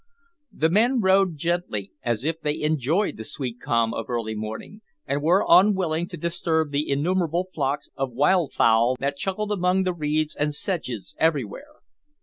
The men rowed gently, as if they enjoyed the sweet calm of early morning, and were unwilling to disturb the innumerable flocks of wild fowl that chuckled among the reeds and sedges everywhere.